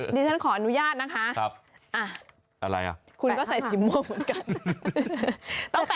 ดิฉันขออนุญาตนะคะอะไรอ่ะคุณก็ใส่สีม่วงเหมือนกัน